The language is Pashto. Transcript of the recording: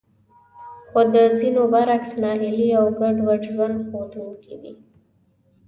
خو د ځينو برعکس ناهيلي او ګډوډ ژوند ښودونکې وې.